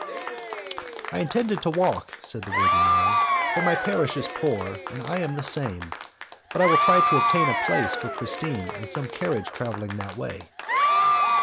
"I intended to walk," said the worthy man, "for my parish is poor and I am the same, but I will try to obtain a place for Christine in some carriage travelling that way."